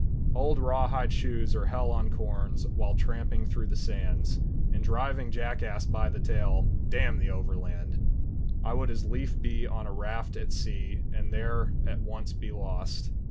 Old raw hide shoes are hell on corns While tramping through the sands, And driving jackass by the tail, Damn the overland! I would as leaf be on a raft at sea And there at once be lost.